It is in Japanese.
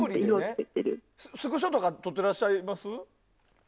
スクショとか撮ってらっしゃいます？